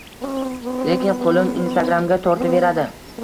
Lekin qoʻlim Instagram’ga tortaveradi